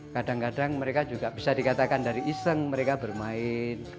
kadang kadang mereka juga bisa dikatakan dari iseng mereka bermain